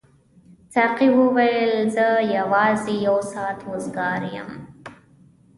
ساقي وویل زه یوازې یو ساعت وزګار یم.